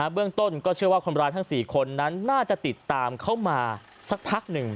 เบื้องต้นก็เชื่อว่าคนร้ายทั้ง๔คนนั้นน่าจะติดตามเข้ามาสักพักหนึ่ง